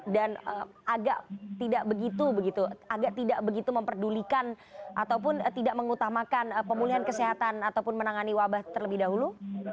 dan agak tidak begitu memperdulikan ataupun tidak mengutamakan pemulihan kesehatan ataupun menangani wabah terlebih dahulu